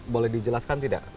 boleh dijelaskan tidak